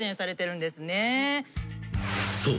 ［そう。